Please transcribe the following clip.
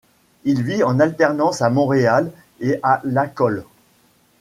Il vit en alternance à Montréal et à Lacolle.